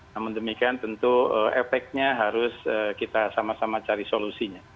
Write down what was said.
namun demikian tentu efeknya harus kita sama sama cari solusinya